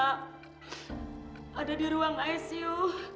ada di ruang icu